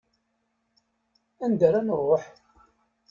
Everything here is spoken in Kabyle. Anda ara nruḥ?